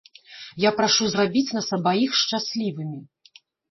Я прашу зрабіць нас абаіх шчаслівымі!